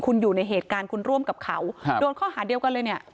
คุณอยู่ในเหตุการณ์คุณร่วมกับเขาโดนข้อหาเดียวกันเลยเนี่ย